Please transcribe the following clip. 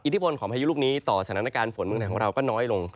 ทพลของพายุลูกนี้ต่อสถานการณ์ฝนเมืองไทยของเราก็น้อยลง